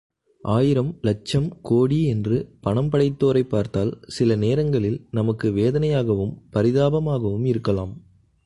ஆயிரம், லட்சம், கோடி என்று பணம் படைத்தோரைப் பார்த்தால் சில நேரங்களில் நமக்கு வேதனையாகவும், பரிதாபமாகவும் இருக்கலாம்.